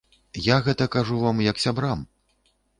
Я гэта кажу вам, як сябрам.